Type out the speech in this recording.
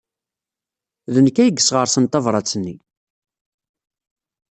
D nekk ay yesɣersen tabṛat-nni.